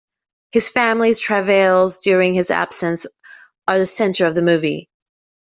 His family's travails during his absence are the center of the movie.